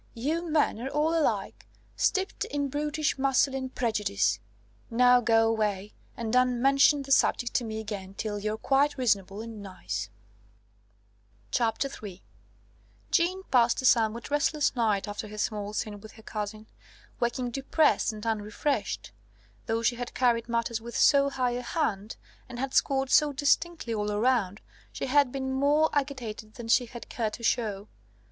You men are all alike, steeped in brutish masculine prejudice. Now go away, and don't mention the subject to me again till you're quite reasonable and nice." III Jeanne passed a somewhat restless night after her small scene with her cousin, waking depressed and unrefreshed. Though she had carried matters with so high a hand, and had scored so distinctly all around, she had been more agitated than she had cared to show.